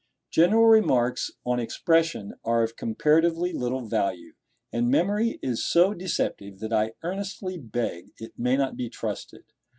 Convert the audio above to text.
General remarks on expression are of comparatively little value; and memory is so deceptive that I earnestly beg it may not be trusted.